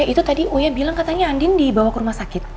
eh itu tadi oya bilang katanya andien dibawa ke rumah sakit